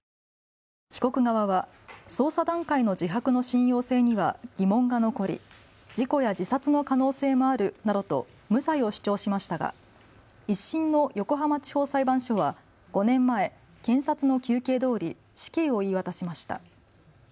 被告側は捜査段階の自白の信用性には疑問が残り、事故や自殺の可能性もあるなどと無罪を主張しましたが１審の横浜地方裁判所は５年前、検察の求刑どおり死刑を言い渡しました。